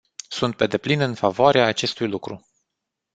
Sunt pe deplin în favoarea acestui lucru.